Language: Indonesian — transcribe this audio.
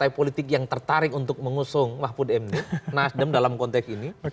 partai politik yang tertarik untuk mengusung mahfud md nasdem dalam konteks ini